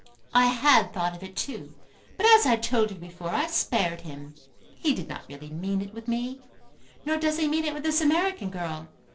"I had thought of it too. But as I told you before, I spared him. He did not really mean it with me; nor does he mean it with this American girl.